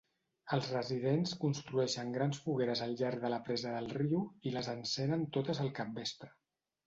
Els residents construeixen grans fogueres al llarg de la presa del riu, i les encenen totes al capvespre.